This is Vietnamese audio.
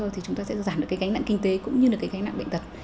thì chúng ta sẽ giảm được cái gánh nặng kinh tế cũng như là cái gánh nặng bệnh tật